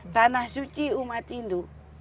tanah suci umat hindu